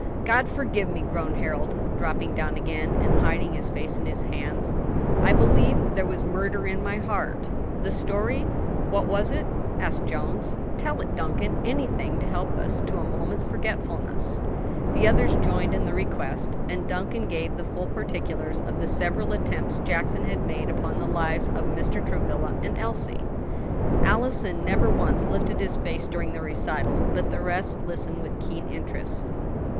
"God forgive me!" groaned Harold, dropping down again and hiding his face in his hands, "I believe there was murder in my heart." "The story? what was it?" asked Jones. "Tell it, Duncan; anything to help us to a moment's forgetfulness." The others joined in the request, and Duncan gave the full particulars of the several attempts Jackson had made upon the lives of Mr. Travilla and Elsie. Allison never once lifted his face during the recital, but the rest listened with keen interest.